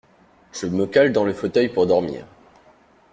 Je me cale dans le fauteuil pour dormir.